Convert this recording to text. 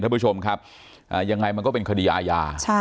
ท่านผู้ชมครับยังไงมันก็เป็นคดีอาญา